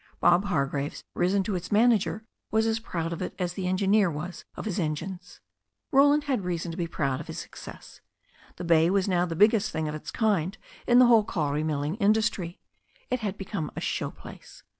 Bob Hargraves, risen to be its manager, was as proud of it as the engineer was of the engines. Roland had reason to be proud of his success. The bay was now the biggest thing of its kind in the whole kauri milling industry. It had become a show place.